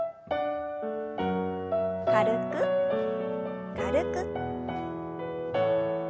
軽く軽く。